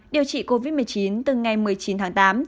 điều trị covid một mươi chín từ ngày một mươi chín tháng tám